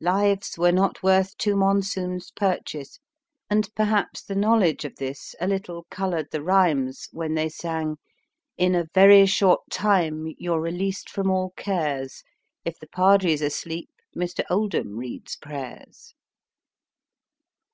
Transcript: Lives were not worth two monsoons purchase, and perhaps the knowledge of this a little coloured the rhymes when the} sang : In a very short time you re released from all cares If the Padri s asleep, Mr. Oldham reads prayers